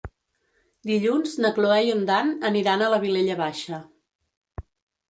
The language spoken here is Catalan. Dilluns na Cloè i en Dan aniran a la Vilella Baixa.